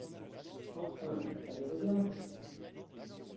Enfin, ça le regarde...